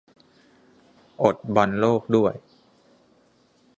อดบอลโลกด้วย